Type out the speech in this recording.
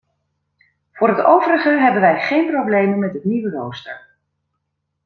Voor het overige hebben wij geen problemen met het nieuwe rooster.